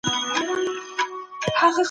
څه ډول لنډه وقفه د فکر تمرکز بېرته راولي؟